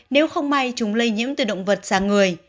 nếu không may chúng lây nhiễm từ động vật sang người